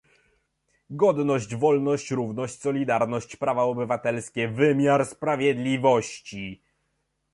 godność, wolność, równość, solidarność, prawa obywatelskie, wymiar sprawiedliwości